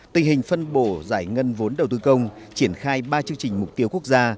tình hình phân bổ giải ngân vốn đầu tư công triển khai ba chương trình mục tiêu quốc gia